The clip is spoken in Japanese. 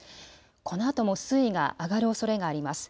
このあとも水位が上がるおそれがあります。